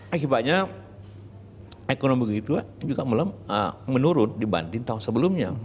akibatnya ekonomi begitu juga menurun dibanding tahun sebelumnya